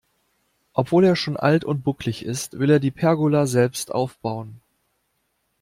Obwohl er schon alt und bucklig ist, will er die Pergola selbst aufbauen.